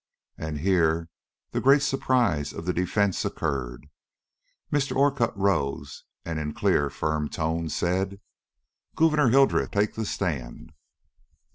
And here the great surprise of the defence occurred. Mr. Orcutt rose, and in clear, firm tones said: "Gouverneur Hildreth, take the stand."